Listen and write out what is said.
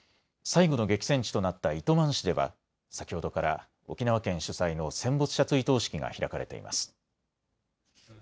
最後の激戦地となった糸満市では先ほどから沖縄県主催の戦没者追悼式が開かれています。